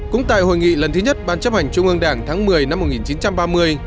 cũng tại hội nghị lần thứ nhất ban chấp hành trung ương đảng tháng một mươi năm một nghìn chín trăm ba mươi